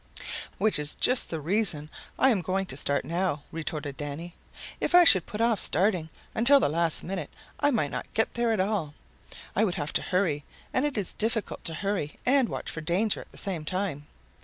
"Which is just the reason I am going to start now," retorted Danny. "If I should put off starting until the last minute I might not get there at all. I would have to hurry, and it is difficult to hurry and watch for danger at the same time.